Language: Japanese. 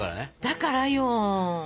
だからよ。